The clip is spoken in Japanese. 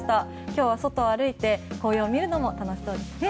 今日は外を歩いて紅葉を見るのも楽しいですね。